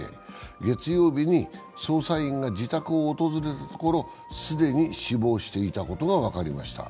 月曜日に捜査員が自宅を訪れたところ既に死亡していたことが分かりました。